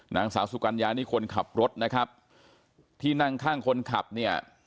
นางสาวสุกัญญานี่คนขับรถนะครับที่นั่งข้างคนขับเนี่ย